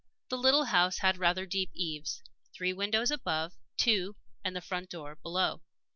The little house had rather deep eaves; three windows above; two, and the front door, below.